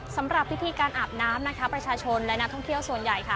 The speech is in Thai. สำหรับพิธีการอาบน้ำนะคะประชาชนและนักท่องเที่ยวส่วนใหญ่ค่ะ